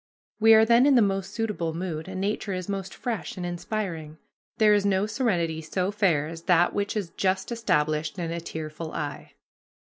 We are then in the most suitable mood, and nature is most fresh and inspiring. There is no serenity so fair as that which is just established in a tearful eye.